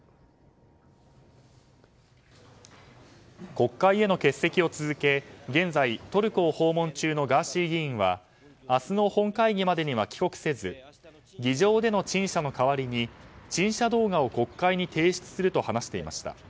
国会への欠席を続け現在、トルコを訪問中のガーシー議員は明日の本会議までには帰国せず議場での陳謝の代わりに陳謝動画を国会に提出すると話していました。